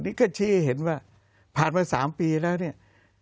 นี่ก็ชี้ให้เห็นว่าผ่านมา๓ปีแล้วเนี่ย